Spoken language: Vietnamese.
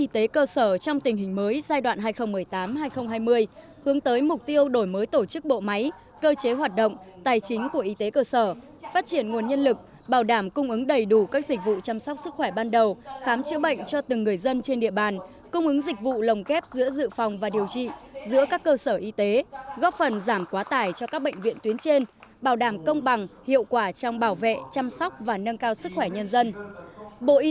trạm y tế xã phường giai đoạn hai nghìn một mươi tám hai nghìn hai mươi để trao đổi phổ biến những quy định hướng dẫn mới liên quan đến hoạt động của trạm y tế xã trong tình hình mới